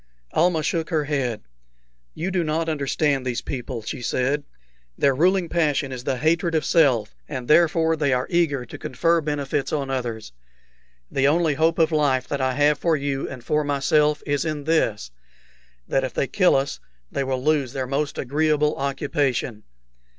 Almah shook her head. "You do not understand these people," said she. "Their ruling passion is the hatred of self, and therefore they are eager to confer benefits on others. The only hope of life that I have for you and for myself is in this, that if they kill us they will lose their most agreeable occupation.